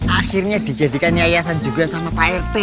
akhirnya dijadikan yayasan juga sama pak rt